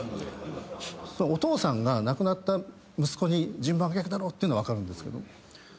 お父さんが亡くなった息子に「順番が逆だろ」って言うのは分かるんですけど。